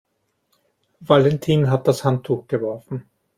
Valentin hat das Handtuch geworfen.